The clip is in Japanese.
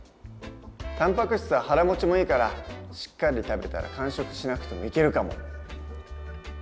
たんぱく質は腹もちもいいからしっかり食べたら間食しなくてもいけるかも。